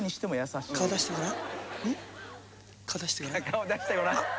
顔出してごらん」